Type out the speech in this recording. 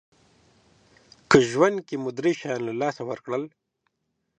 که ژوند کې مو درې شیان له لاسه ورکړل